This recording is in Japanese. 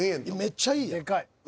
めっちゃいいやん。